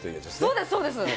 そうです、そうです。